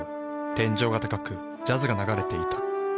天井が高くジャズが流れていた。